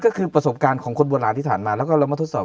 ก็คือประสบการณ์ของคนโบราณที่ผ่านมาแล้วก็เรามาทดสอบ